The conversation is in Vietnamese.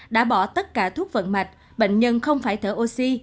đã bỏ tất cả thuốc vận mạch bệnh nhân không phải thở oxy